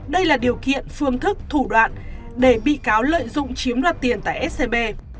đây là điều kiện phương thức thủ đoạn để bị cáo lợi dụng chiếm đoạt tiền tại scb